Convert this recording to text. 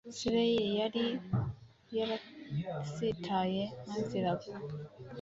Isirayeli yari yarasitaye maze iragwa;